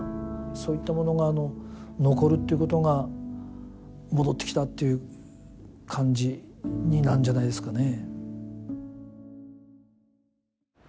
そういったものが残るっていうことが戻ってきたという感じになるんじゃないですかね。